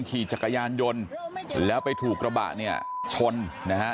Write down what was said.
ขี่จักรยานยนต์แล้วไปถูกกระบะเนี่ยชนนะฮะ